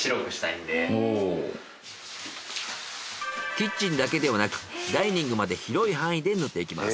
キッチンだけではなくダイニングまで広い範囲で塗っていきます。